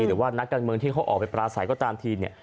หรือว่านักการเมืองที่เขาออกไปปราศัยก็ตามทีเนี่ย